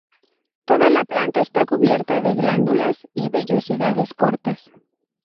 Toda la planta está cubierta de glándulas y vellosidades cortas.